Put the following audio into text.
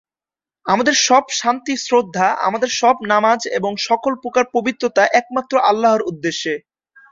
আমাদের সব শান্তি শ্রদ্ধা, আমাদের সব নামাজ এবং সকল প্রকার পবিত্রতা একমাত্র আল্লাহর উদ্দেশ্যে।